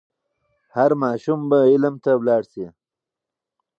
هر ماشوم به علم ته لاړ سي.